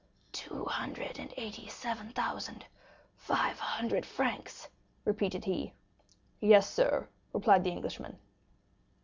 "Two hundred and eighty seven thousand five hundred francs," repeated he. "Yes, sir," replied the Englishman.